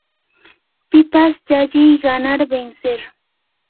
pipas llalliy ganar, vencer